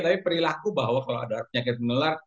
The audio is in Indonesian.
tapi perilaku bahwa kalau ada penyakit menular